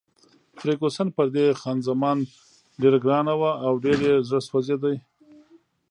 فرګوسن پر دې خان زمان ډېره ګرانه وه او ډېر یې زړه سوځېده.